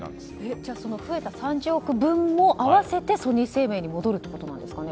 じゃあその増えた３０億円分も合わせてソニー生命に戻るってことなんですかね。